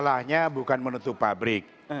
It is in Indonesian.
bapak juga menutup pabrik